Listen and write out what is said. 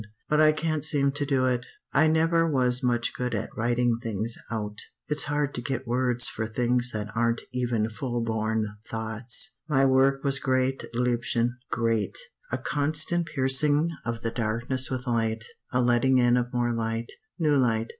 But I can't seem to do it. I never was much good at writing things out; it's hard to get words for things that aren't even full born thoughts. "My work was great, liebchen great! A constant piercing of the darkness with light a letting in of more light new light.